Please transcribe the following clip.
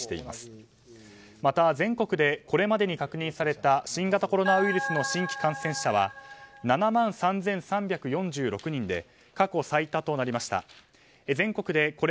また全国でこれまでに確認された新型コロナウイルスの新規感染者は７万３３４６人で